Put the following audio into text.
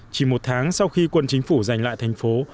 chỉ một tháng sau khi quân chính phủ giành lại thành phố